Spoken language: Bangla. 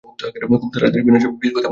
খুব তাড়াতাড়ি ভীনার বিয়ের কথা পাকা করতে হবে।